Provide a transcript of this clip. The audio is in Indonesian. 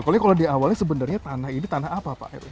apalagi kalau di awalnya sebenarnya tanah ini tanah apa pak